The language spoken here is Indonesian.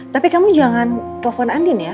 tapi kamu jangan telepon andin ya